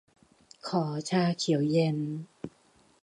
ขอชาเขียวเย็น